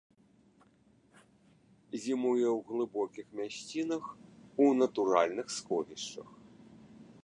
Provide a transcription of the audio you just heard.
Зімуе ў глыбокіх мясцінах у натуральных сховішчах.